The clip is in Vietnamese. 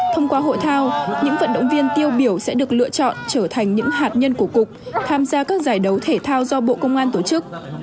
thông qua hội thao những vận động viên tiêu biểu sẽ được lựa chọn trở thành những hạt nhân của cục tham gia các giải đấu thể thao do bộ công an tổ chức